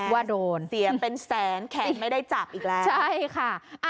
ว่าโดนเสียเป็นแสนแขนไม่ได้จับอีกแล้วใช่ค่ะ